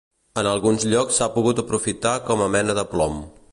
En alguns llocs s'ha pogut aprofitar com a mena de plom.